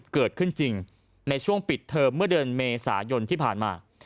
เกิดขึ้นจริงในช่วงปิดเทอมเมื่อเดือนเมษายนที่ผ่านมา